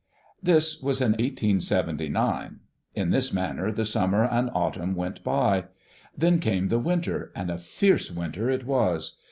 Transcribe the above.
"This was in 1879. In this manner the summer and autumn went by. Then came the winter, and a fierce winter it was.